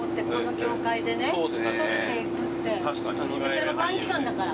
それも短期間だから。